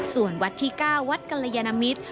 ส่วนวัดที่๙วัดกรยานมิตร